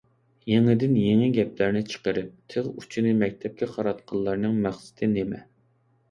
يېڭىدىن يېڭى گەپلەرنى چىقىرىپ، تىغ ئۇچىنى مەكتەپكە قاراتقانلارنىڭ مەقسىتى نېمە؟